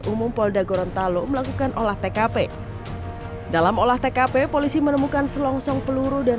umum polda gorontalo melakukan olah tkp dalam olah tkp polisi menemukan selongsong peluru dan